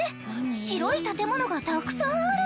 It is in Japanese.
白い建物がたくさんある！